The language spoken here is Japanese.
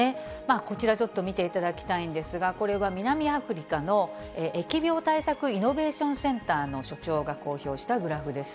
こちら、ちょっと見ていただきたいんですが、これは南アフリカの、疫病対策イノベーションセンターの所長が公表したグラフです。